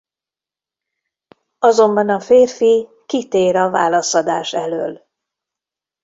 Azonban a férfi kitér a válaszadás elől.